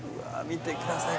見てください